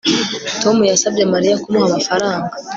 Tom yasabye Mariya kumuha amafaranga